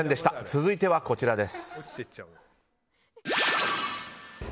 続いてはこちらです。